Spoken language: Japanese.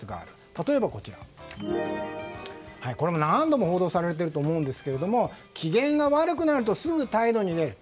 例えば、何度も報道されていると思うんですが機嫌が悪くなるとすぐ態度に出る。